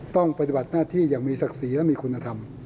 ปฏิบัติหน้าที่อย่างมีศักดิ์ศรีและมีคุณธรรม